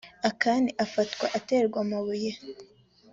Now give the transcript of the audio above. akani afatwa aterwa amabuye